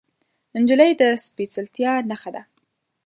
نجلۍ د سپیڅلتیا نښه ده.